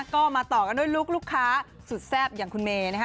ก็มาต่อกันด้วยรูปรุกค้าสุดแทบอย่างคุณเม